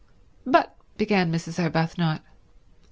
"But—" began Mrs. Arbuthnot.